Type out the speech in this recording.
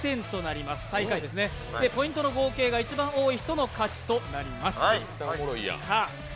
ポイントの合計が一番多い人の勝ちとなります。